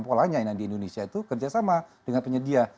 polanya di indonesia itu kerjasama dengan penyedia